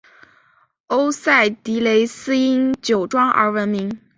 欧塞迪雷斯因酒庄而闻名。